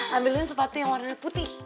ngambilin sepatu yang warna putih